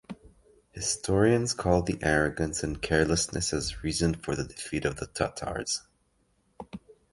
Historians call the arrogance and carelessness as reason for the defeat of the Tatars.